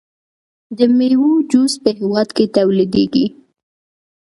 د میوو جوس په هیواد کې تولیدیږي.